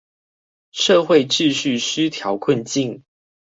社會秩序失調困境